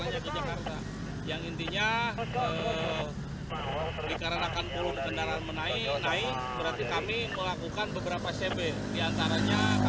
kondisi secara bagi hingga sore ini jadi puluh puluh kendaraan terus meningkat